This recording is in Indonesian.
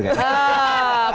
oh kalau udah tenang